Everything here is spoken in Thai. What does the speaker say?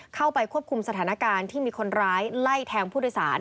เข้าไปควบคุมสถานการณ์ที่มีคนร้ายไล่แทงผู้โดยสาร